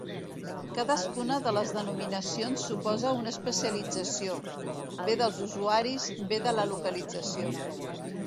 Cadascuna de les denominacions suposa una especialització: bé dels usuaris, bé en la localització.